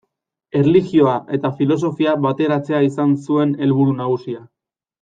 Erlijioa eta filosofia bateratzea izan zuen helburu nagusia.